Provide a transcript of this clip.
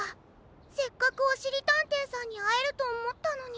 せっかくおしりたんていさんにあえるとおもったのに。